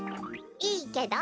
いいけど？